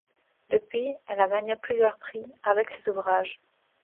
Depuis, elle a gagné plusieurs prix avec ses ouvrages.